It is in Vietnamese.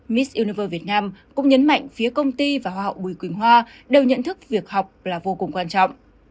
miss univer việt nam cũng nhấn mạnh phía công ty và hoa hậu bùi quỳnh hoa đều nhận thức việc học là vô cùng quan trọng